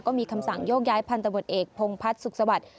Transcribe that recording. ก็มีคำสั่งโยกย้ายพันธุ์ตำรวจเอกพงพัฒน์สุขศวรรษ